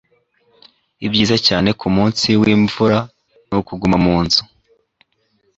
Ibyiza cyane kumunsi wimvura nukuguma mumazu.